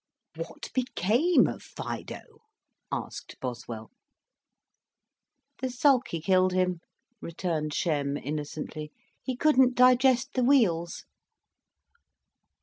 "What became of Fido?" asked Boswell. "The sulky killed him," returned Shem, innocently. "He couldn't digest the wheels."